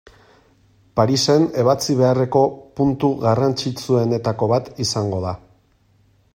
Parisen ebatzi beharreko puntu garrantzitsuenetako bat izango da.